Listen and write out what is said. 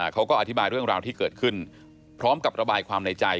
เขาก็อธิบายเรื่องราวที่เกิดขึ้นพร้อมกับระบายความในใจ